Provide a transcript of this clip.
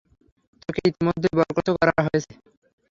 তোকে ইতিমধ্যেই বরখাস্ত করা হয়েছে।